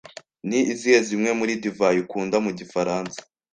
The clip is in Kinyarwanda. Ni izihe zimwe muri divayi ukunda mu gifaransa?